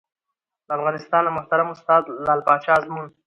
له افغانستانه محترم استاد لعل پاچا ازمون